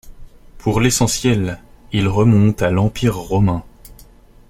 Pour l'essentiel, il remonte à l'Empire romain.